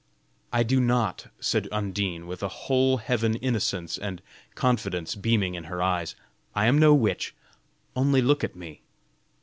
"I do not," said Undine, with a whole heaven innocence and confidence beaming, in her eyes. "I am no witch; only look at me."